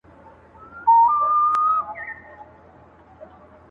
• پښتانه چي له قلم سره اشنا کړو,